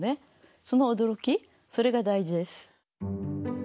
その驚きそれが大事です。